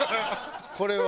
これは。